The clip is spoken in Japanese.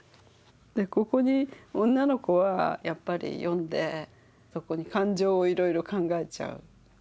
ここに女の子はやっぱり読んでそこに感情をいろいろ考えちゃう。